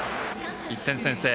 １点先制。